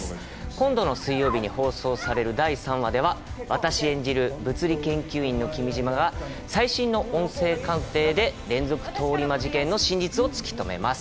今度の水曜日に放送される第３話では私演じる物理研究員の君嶋が最新の音声鑑定で連続通り魔事件の真実をつきとめます！